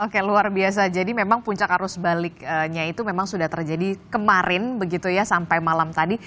oke luar biasa jadi memang puncak arus baliknya itu memang sudah terjadi kemarin begitu ya sampai malam tadi